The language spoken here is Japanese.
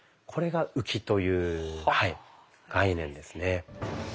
これが「浮き」という概念ですね。